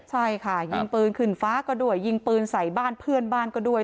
ใช่ค่ะยิงปืนขึ้นฟ้าก็ด้วยยิงปืนใส่บ้านเพื่อนบ้านก็ด้วย